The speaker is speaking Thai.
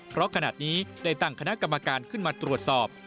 เพราะขณะนี้ได้ตั้งคณะกรรมการขึ้นมาตรวจสอบ